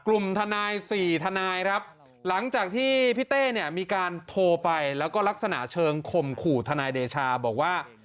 กลุ่มทนายสี่ทนายครับหลังจากที่พี่เต้เนี่ยมีการโทรไปแล้วก็ลักษณะเชิงข่มขู่ทนายเดชาบอกว่า